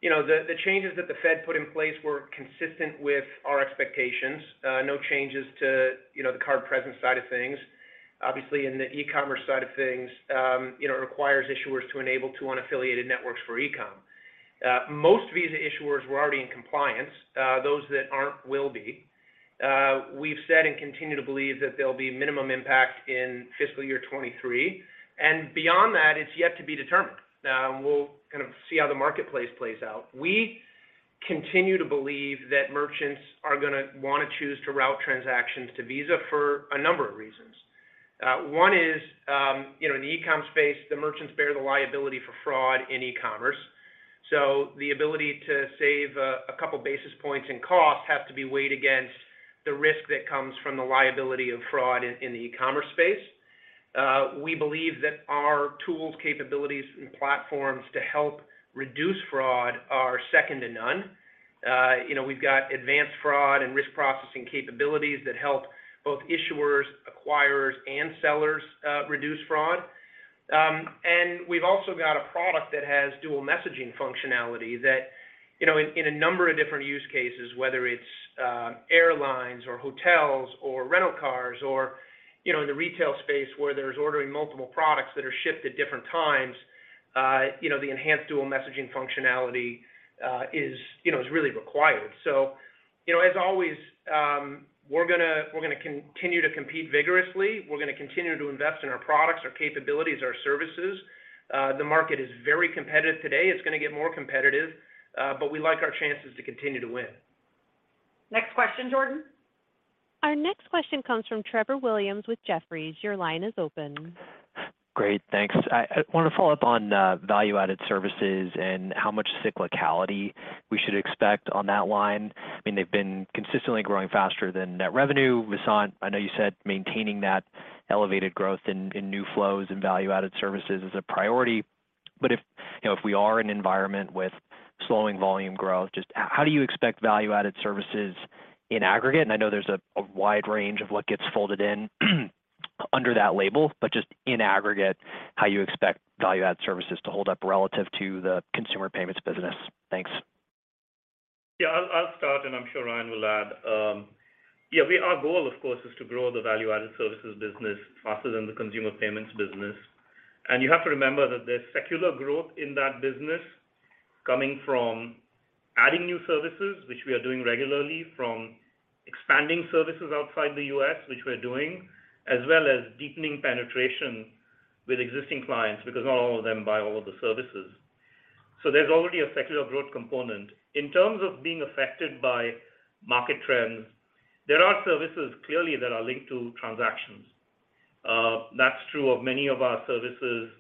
You know, the changes that the Fed put in place were consistent with our expectations. No changes to, you know, the card present side of things. Obviously, in the e-commerce side of things, you know, it requires issuers to enable to unaffiliated networks for e-com. Most Visa issuers were already in compliance. Those that aren't will be. We've said and continue to believe that there'll be minimum impact in fiscal year 2023. Beyond that, it's yet to be determined. We'll kind of see how the marketplace plays out. We continue to believe that merchants are gonna wanna choose to route transactions to Visa for a number of reasons. One is, you know, in the e-com space, the merchants bear the liability for fraud in e-commerce. The ability to save a couple basis points in cost have to be weighed against the risk that comes from the liability of fraud in the e-commerce space. We believe that our tools, capabilities, and platforms to help reduce fraud are second to none. You know, we've got advanced fraud and risk processing capabilities that help both issuers, acquirers, and sellers reduce fraud. We've also got a product that has dual messaging functionality that, you know, in a number of different use cases, whether it's airlines or hotels or rental cars or, you know, in the retail space where there's ordering multiple products that are shipped at different times, you know, the enhanced dual messaging functionality is, you know, is really required. You know, as always, we're gonna continue to compete vigorously. We're gonna continue to invest in our products, our capabilities, our services. The market is very competitive today. It's gonna get more competitive, we like our chances to continue to win. Next question, Jordan. Our next question comes from Trevor Williams with Jefferies. Your line is open. Great. Thanks. I wanna follow up on value-added services and how much cyclicality we should expect on that line. I mean, they've been consistently growing faster than net revenue. Vasant, I know you said maintaining that elevated growth in new flows and value-added services is a priority. If, you know, if we are in an environment with slowing volume growth, just how do you expect value-added services in aggregate? I know there's a wide range of what gets folded in under that label, but just in aggregate, how you expect value-added services to hold up relative to the consumer payments business? Thanks. I'll start, and I'm sure Ryan will add. Our goal, of course, is to grow the value-added services business faster than the consumer payments business. You have to remember that there's secular growth in that business coming from adding new services, which we are doing regularly, from expanding services outside the U.S., which we're doing, as well as deepening penetration with existing clients because not all of them buy all of the services. There's already a secular growth component. In terms of being affected by market trends, there are services clearly that are linked to transactions. That's true of many of our services,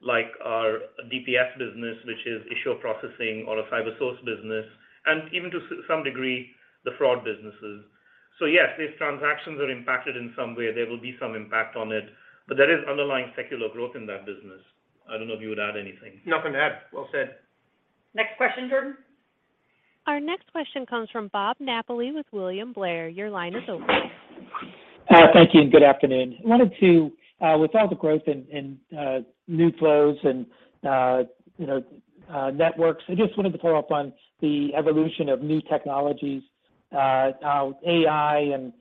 like our DPS business, which is issuer processing or a CyberSource business, and even to some degree, the fraud businesses. Yes, if transactions are impacted in some way, there will be some impact on it. There is underlying secular growth in that business. I don't know if you would add anything? Nothing to add. Well said. Next question, Jordan. Our next question comes from Bob Napoli with William Blair. Your line is open. Thank you, and good afternoon. Wanted to, with all the growth in new flows and, you know, networks, I just wanted to follow up on the evolution of new technologies, with AI and,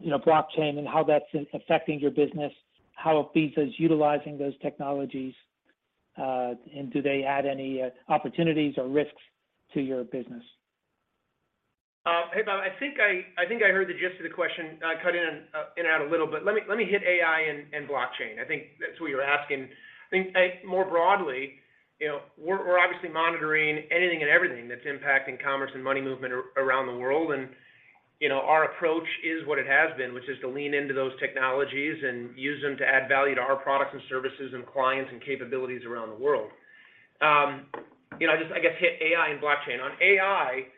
you know, blockchain and how that's affecting your business, how Visa is utilizing those technologies, do they add any opportunities or risks to your business? Hey, Bob. I think I heard the gist of the question. I cut in and out a little, but let me, let me hit AI and blockchain. I think that's what you were asking. I think more broadly, you know, we're obviously monitoring anything and everything that's impacting commerce and money movement around the world. You know, our approach is what it has been, which is to lean into those technologies and use them to add value to our products and services and clients and capabilities around the world. You know, I just, I guess, hit AI and blockchain. On AI,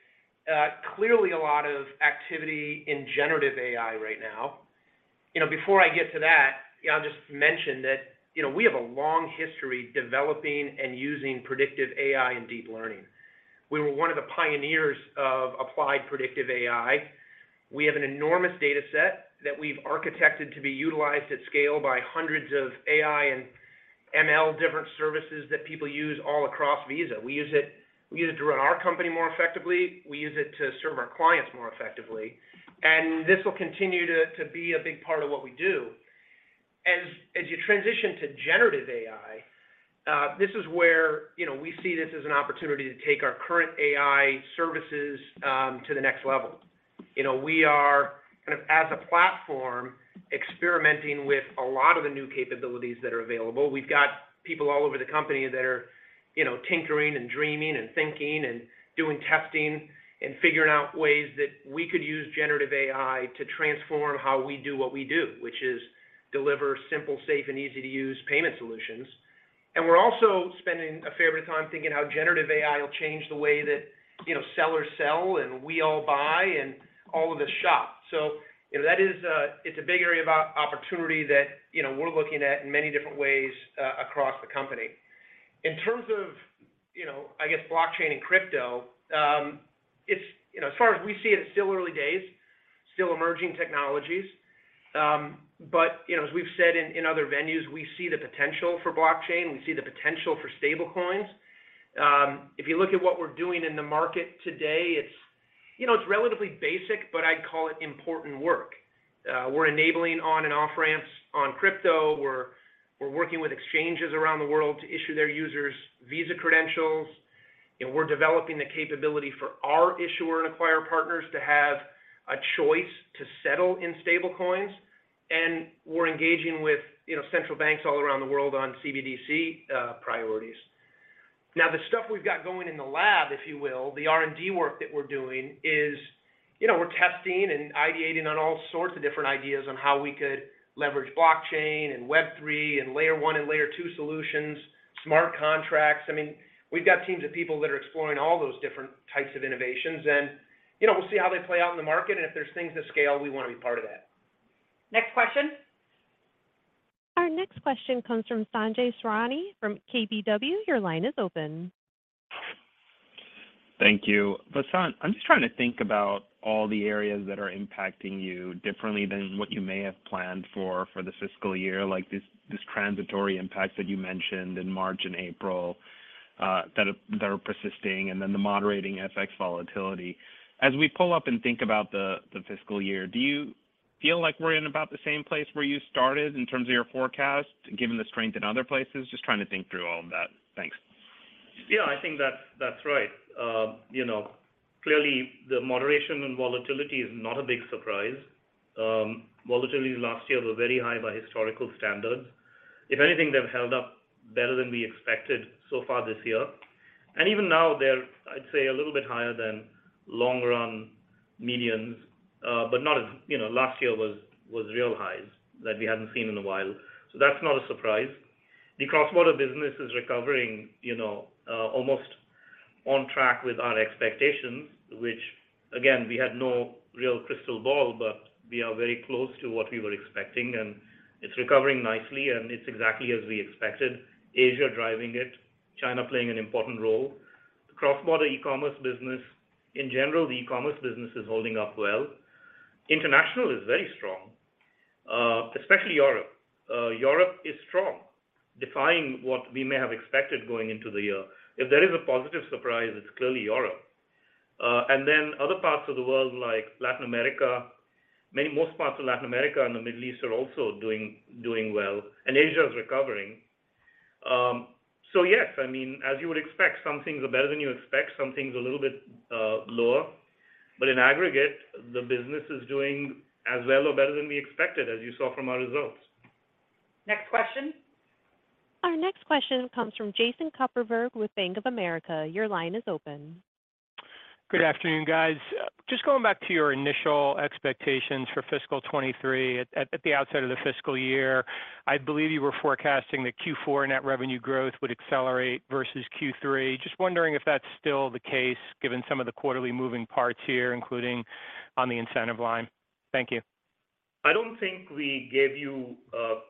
clearly a lot of activity in generative AI right now. Before I get to that, I'll just mention that, you know, we have a long history developing and using predictive AI and deep learning. We were one of the pioneers of applied predictive AI. We have an enormous dataset that we've architected to be utilized at scale by hundreds of AI and ML different services that people use all across Visa. We use it to run our company more effectively. We use it to serve our clients more effectively, and this will continue to be a big part of what we do. As you transition to generative AI, this is where, you know, we see this as an opportunity to take our current AI services, to the next level. You know, we are kind of as a platform experimenting with a lot of the new capabilities that are available. We've got people all over the company that are, you know, tinkering and dreaming and thinking and doing testing and figuring out ways that we could use generative AI to transform how we do what we do, which is deliver simple, safe, and easy-to-use payment solutions. We're also spending a fair bit of time thinking how generative AI will change the way that, you know, sellers sell and we all buy and all of us shop. You know, that is, it's a big area of opportunity that, you know, we're looking at in many different ways across the company. In terms of, you know, I guess blockchain and crypto, it's, you know, as far as we see it's still early days, still emerging technologies. You know, as we've said in other venues, we see the potential for blockchain. We see the potential for stable coins. If you look at what we're doing in the market today, it's, you know, it's relatively basic, but I'd call it important work. We're enabling on and off ramps on crypto. We're working with exchanges around the world to issue their users Visa credentials, we're developing the capability for our issuer and acquire partners to have a choice to settle in stable coins. We're engaging with, you know, central banks all around the world on CBDC priorities. The stuff we've got going in the lab, if you will, the R&D work that we're doing is, you know, we're testing and ideating on all sorts of different ideas on how we could leverage blockchain and Web3 and layer one and layer two solutions, smart contracts. We've got teams of people that are exploring all those different types of innovations and, you know, we'll see how they play out in the market. If there's things that scale, we wanna be part of that. Next question. Our next question comes from Sanjay Sakhrani from KBW. Your line is open. Thank you. Vasant, I'm just trying to think about all the areas that are impacting you differently than what you may have planned for for this fiscal year, like this transitory impact that you mentioned in March and April, that are persisting, and then the moderating FX volatility. As we pull up and think about the fiscal year, do you feel like we're in about the same place where you started in terms of your forecast, given the strength in other places? Just trying to think through all of that. Thanks. Yeah, I think that's right. You know, clearly the moderation and volatility is not a big surprise. Volatility last year were very high by historical standards. If anything, they've held up better than we expected so far this year. Even now they're, I'd say, a little bit higher than long run medians, but not as. You know, last year was real highs that we hadn't seen in a while, so that's not a surprise. The cross-border business is recovering, you know, almost on track with our expectations, which again, we had no real crystal ball, but we are very close to what we were expecting, and it's recovering nicely, and it's exactly as we expected. Asia driving it, China playing an important role. The cross-border e-commerce business in general, the e-commerce business is holding up well. International is very strong, especially Europe. Europe is strong, defying what we may have expected going into the year. If there is a positive surprise, it's clearly Europe. Other parts of the world like Latin America, most parts of Latin America and the Middle East are also doing well, and Asia is recovering. Yes, I mean, as you would expect, some things are better than you expect. Some things a little bit lower. In aggregate, the business is doing as well or better than we expected, as you saw from our results. Next question. Our next question comes from Jason Kupferberg with Bank of America. Your line is open. Good afternoon, guys. Just going back to your initial expectations for fiscal 2023 at the outset of the fiscal year, I believe you were forecasting that Q4 net revenue growth would accelerate versus Q3. Just wondering if that's still the case, given some of the quarterly moving parts here, including on the incentive line? Thank you. I don't think we gave you,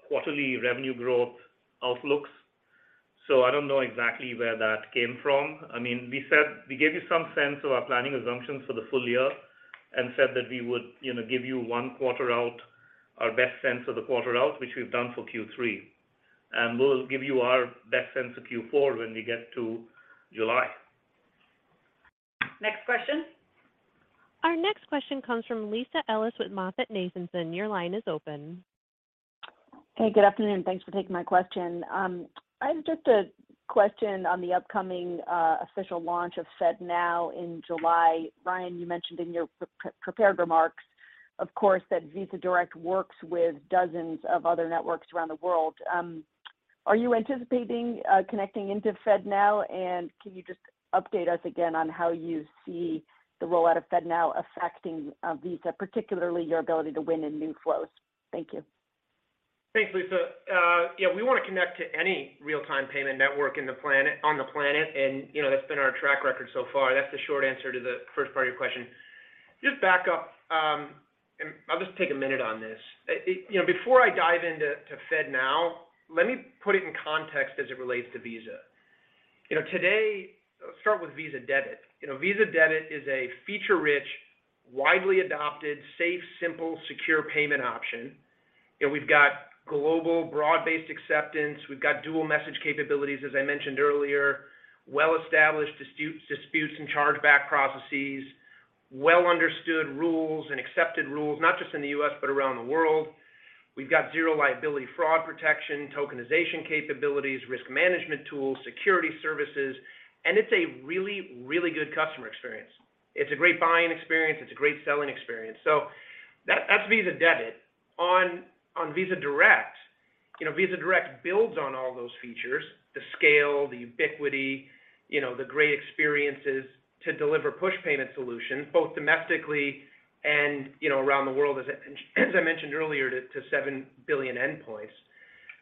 quarterly revenue growth outlooks, so I don't know exactly where that came from. We gave you some sense of our planning assumptions for the full year and said that we would, you know, give you 1 quarter out, our best sense of the quarter out, which we've done for Q3, and we'll give you our best sense of Q4 when we get to July. Next question. Our next question comes from Lisa Ellis with MoffettNathanson. Your line is open. Hey, good afternoon, thanks for taking my question. I have just a question on the upcoming official launch of FedNow in July. Ryan, you mentioned in your pre-prepared remarks, of course, that Visa Direct works with dozens of other networks around the world. Are you anticipating connecting into FedNow? Can you just update us again on how you see the rollout of FedNow affecting Visa, particularly your ability to win in new flows? Thank you. Thanks, Lisa. Yeah, we wanna connect to any real-time payment network on the planet. You know, that's been our track record so far. That's the short answer to the first part of your question. Just back up, I'll just take a minute on this. It, you know, before I dive into FedNow, let me put it in context as it relates to Visa. You know, today, start with Visa Debit. You know, Visa Debit is a feature-rich, widely adopted, safe, simple, secure payment option. You know, we've got global broad-based acceptance. We've got dual message capabilities, as I mentioned earlier, well-established disputes and chargeback processes, well understood rules and accepted rules, not just in the U.S., but around the world. We've got zero liability fraud protection, tokenization capabilities, risk management tools, security services, and it's a really, really good customer experience. It's a great buying experience. It's a great selling experience. That's Visa Debit. On Visa Direct, you know, Visa Direct builds on all those features, the scale, the ubiquity, you know, the great experiences to deliver push payment solutions, both domestically and, you know, around the world, as I mentioned earlier, to 7 billion endpoints.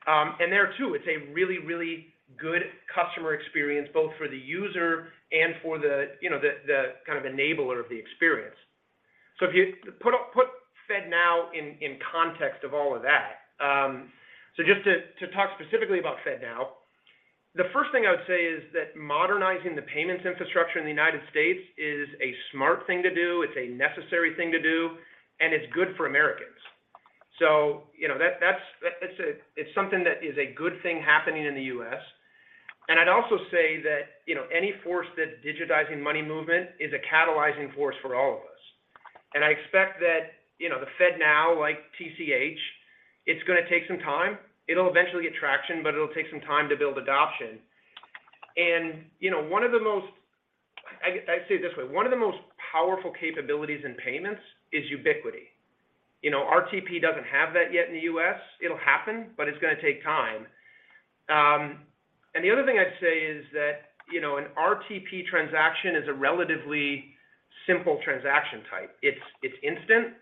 And there too, it's a really, really good customer experience both for the user and for the, you know, the kind of enabler of the experience. If you put FedNow in context of all of that. Just to talk specifically about FedNow, the first thing I would say is that modernizing the payments infrastructure in the United States is a smart thing to do. It's a necessary thing to do, and it's good for Americans. You know, that's, that's a. It's something that is a good thing happening in the U.S. I'd also say that, you know, any force that's digitizing money movement is a catalyzing force for all of us. I expect that, you know, the FedNow, like TCH, it's gonna take some time. It'll eventually get traction, but it'll take some time to build adoption. You know, I say it this way, one of the most powerful capabilities in payments is ubiquity. You know, RTP doesn't have that yet in the U.S. It'll happen, but it's gonna take time. The other thing I'd say is that, you know, an RTP transaction is a relatively simple transaction type. It's instant,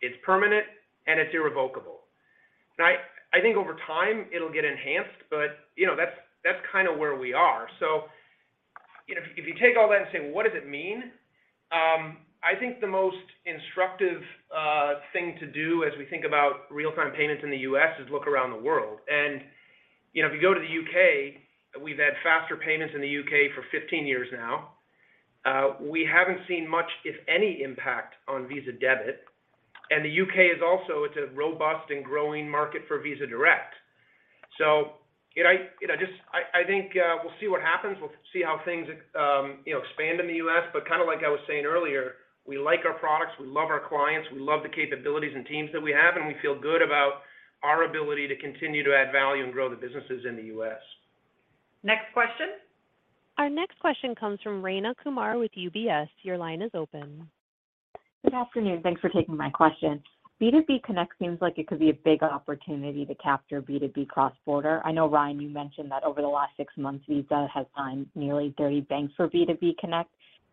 it's permanent, and it's irrevocable. Now, I think over time it'll get enhanced, but, you know, that's kinda where we are. You know, if you take all that and say, "Well, what does it mean?" I think the most instructive thing to do as we think about real-time payments in the U.S. is look around the world. You know, if you go to the U.K., we've had faster payments in the U.K. for 15 years now. We haven't seen much, if any, impact on Visa Debit. The U.K. is also. It's a robust and growing market for Visa Direct. You know, I, you know, just I think, we'll see what happens. We'll see how things, you know, expand in the U.S. Kinda like I was saying earlier, we like our products, we love our clients, we love the capabilities and teams that we have, and we feel good about our ability to continue to add value and grow the businesses in the U.S. Next question. Our next question comes from Rayna Kumar with UBS. Your line is open. Good afternoon. Thanks for taking my question. B2B Connect seems like it could be a big opportunity to capture B2B cross-border. I know, Ryan, you mentioned that over the last six months, Visa has signed nearly 30 banks for B2B Connect.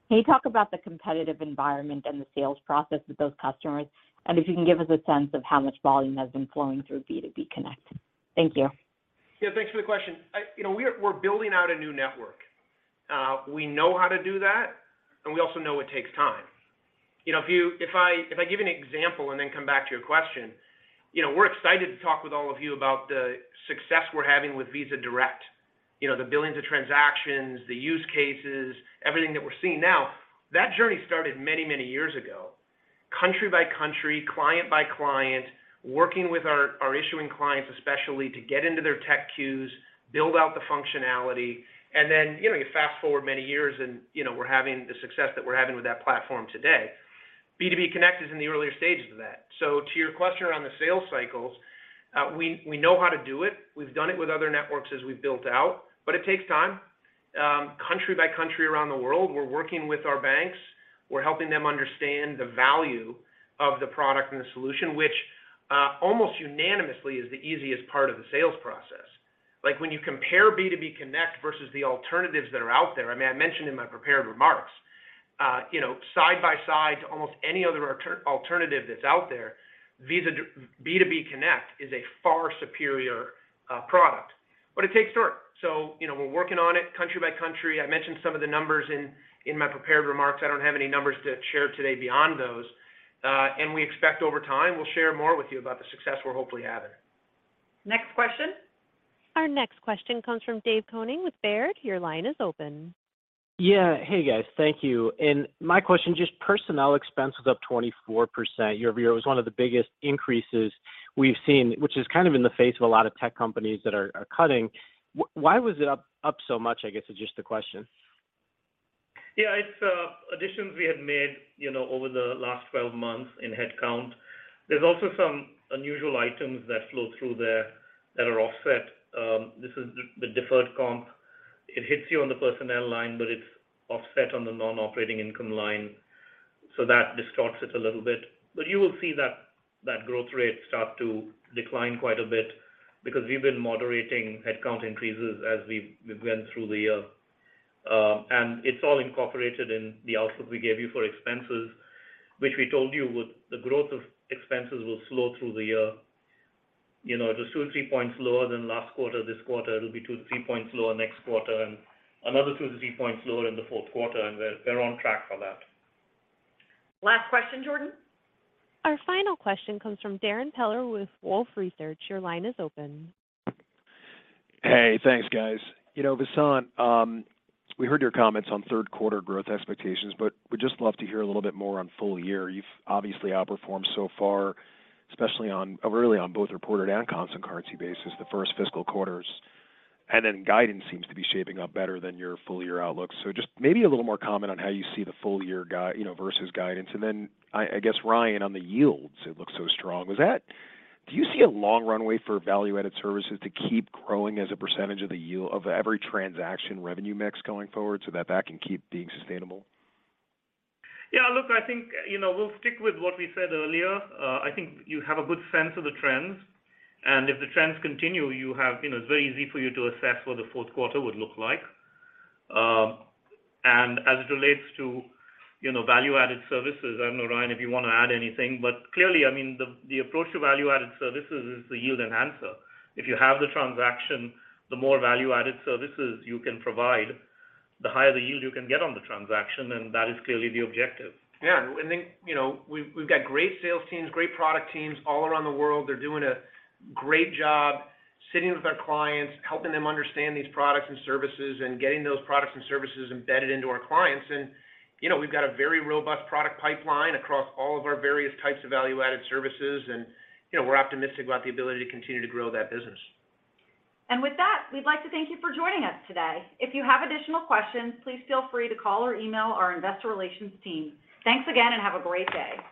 Can you talk about the competitive environment and the sales process with those customers? If you can give us a sense of how much volume has been flowing through B2B Connect. Thank you. Yeah. Thanks for the question. You know, we're building out a new network. We know how to do that, and we also know it takes time. You know, If I give you an example and then come back to your question, you know, we're excited to talk with all of you about the success we're having with Visa Direct, you know, the billions of transactions, the use cases, everything that we're seeing now. That journey started many, many years ago, country by country, client by client, working with our issuing clients especially to get into their tech queues, build out the functionality, and then, you know, you fast-forward many years and, you know, we're having the success that we're having with that platform today. B2B Connect is in the earlier stages of that. To your question around the sales cycles, we know how to do it. We've done it with other networks as we've built out, but it takes time. Country by country around the world, we're working with our banks. We're helping them understand the value of the product and the solution, which almost unanimously is the easiest part of the sales process. Like, when you compare B2B Connect versus the alternatives that are out there, I mean, I mentioned in my prepared remarks, you know, side by side to almost any other alternative that's out there, Visa B2B Connect is a far superior product, but it takes work. You know, we're working on it country by country. I mentioned some of the numbers in my prepared remarks. I don't have any numbers to share today beyond those. We expect over time we'll share more with you about the success we're hopefully having. Next question. Our next question comes from Dave Koning with Baird. Your line is open. Yeah. Hey, guys. Thank you. My question, just personnel expense was up 24% year-over-year. It was one of the biggest increases we've seen, which is kind of in the face of a lot of tech companies that are cutting. Why was it up so much, I guess, is just the question? It's additions we had made, you know, over the last 12 months in head count. There's also some unusual items that flow through there that are offset. This is the deferred comp. It hits you on the personnel line, but it's offset on the non-operating income line, so that distorts it a little bit. You will see that growth rate start to decline quite a bit because we've been moderating head count increases as we've went through the year. It's all incorporated in the output we gave you for expenses, which we told you would the growth of expenses will slow through the year. You know, it was 2 to 3 points lower than last quarter, this quarter. It'll be 2 to 3 points lower next quarter, and another 2 to 3 points lower in the fourth quarter, and we're on track for that. Last question, Jordan. Our final question comes from Darrin Peller with Wolfe Research. Your line is open. Hey. Thanks, guys. You know, Vasant, we heard your comments on third quarter growth expectations, but we'd just love to hear a little bit more on full year. You've obviously outperformed so far, really on both reported and constant currency basis, the first fiscal quarters. Guidance seems to be shaping up better than your full year outlook. Just maybe a little more comment on how you see the full year, you know, versus guidance. I guess, Ryan, on the yields, it looks so strong. Do you see a long runway for value-added services to keep growing as a percentage of every transaction revenue mix going forward so that that can keep being sustainable? Yeah. Look, I think, you know, we'll stick with what we said earlier. I think you have a good sense of the trends, and if the trends continue, you have, you know, it's very easy for you to assess what the fourth quarter would look like. As it relates to, you know, value-added services, I don't know, Ryan, if you wanna add anything, but clearly, I mean, the approach to value-added services is the yield enhancer. If you have the transaction, the more value-added services you can provide, the higher the yield you can get on the transaction, and that is clearly the objective. Yeah. Then, you know, we've got great sales teams, great product teams all around the world. They're doing a great job sitting with our clients, helping them understand these products and services, and getting those products and services embedded into our clients. You know, we've got a very robust product pipeline across all of our various types of value-added services and, you know, we're optimistic about the ability to continue to grow that business. With that, we'd like to thank you for joining us today. If you have additional questions, please feel free to call or email our investor relations team. Thanks again, and have a great day.